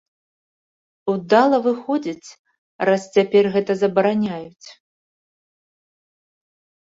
Удала, выходзіць, раз цяпер гэта забараняюць.